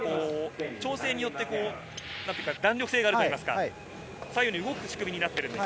調整によって弾力性があるといいますか、左右に動く仕組みになっています。